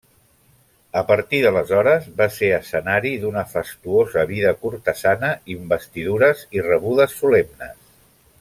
A partir d'aleshores va ser escenari d'una fastuosa vida cortesana, investidures i rebudes solemnes.